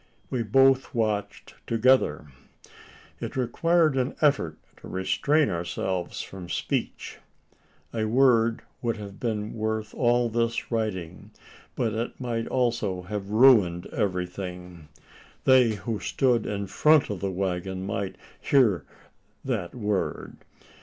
We both watched together. It required an effort to restrain ourselves from speech. A word would have been worth all this writing; but it might also have ruined everything. They who stood in front of the waggon might hear that word.